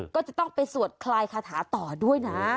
ก็จะต้องไปสวดคลายคาถาต่อด้วยนะ